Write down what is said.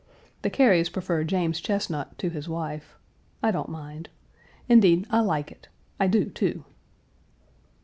The Carys prefer James Chesnut to his wife. I don't mind. Indeed, I like it. I do, too.